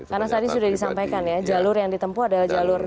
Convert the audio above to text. karena tadi sudah disampaikan ya jalur yang ditempuh adalah jalur legal